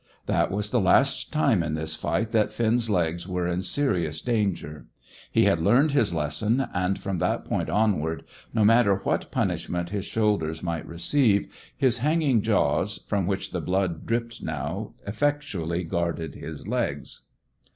That was the last time in this fight that Finn's legs were in serious danger. He had learned his lesson, and from that point onward, no matter what punishment his shoulders might receive, his hanging jaws, from which the blood dripped now, effectually guarded his legs.